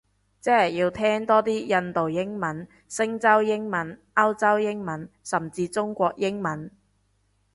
即係要聽多啲印度英文，星洲英文，歐洲英文，甚至中國英文